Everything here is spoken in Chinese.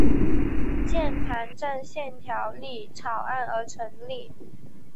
键盘战线条例草案而成立。